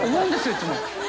いつも。